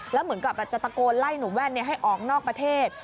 แล้วเหมือนกับจะตะโกนไล่หนุ่มแว่นให้ออกนอกประเทศ